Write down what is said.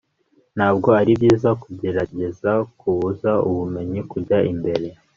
ntabwo ari byiza kugerageza kubuza ubumenyi kujya imbere